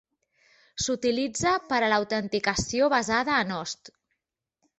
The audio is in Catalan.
S'utilitza per a l'autenticació basada en host.